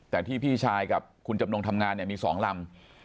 แต่ที่พี่ชายกับคุณจำนงทำงานเนี่ยมี๒ลำ